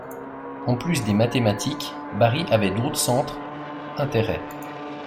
En plus des mathématiques, Bari avait d'autres centres intérêts.